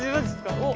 おっ。